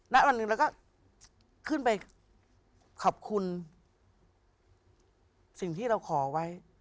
ณวันหนึ่งเราก็ขึ้นไปขอบคุณสิ่งที่เราขอไว้